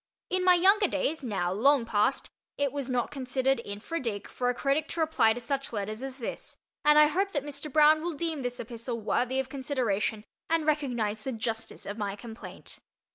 In my younger days, now long past, it was not considered infra dig for a critic to reply to such letters as this, and I hope that Mr. Broun will deem this epistle worthy of consideration, and recognize the justice of my complaint.